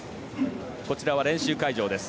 こちらは練習会場です。